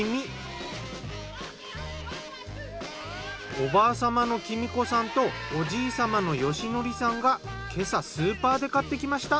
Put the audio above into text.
おばあ様のきみ子さんとおじい様の芳則さんが今朝スーパーで買ってきました。